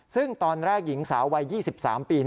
ซึ่งตอนแรกหญิงสาววัย๒๓ปี